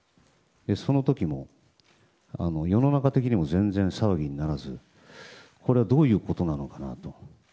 その時も、世の中的にも全然、騒ぎにならずこれはどういうことなのかなと。